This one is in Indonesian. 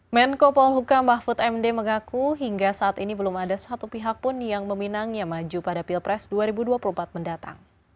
menko polhukam mahfud md mengaku hingga saat ini belum ada satu pihak pun yang meminangnya maju pada pilpres dua ribu dua puluh empat mendatang